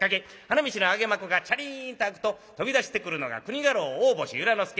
花道の揚幕がチャリーンと開くと飛び出してくるのが国家老大星由良之助。